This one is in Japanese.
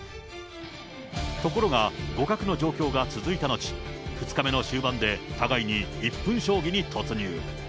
ところが互角の状況が続いた後、２つ目の終盤で、１分将棋に突入。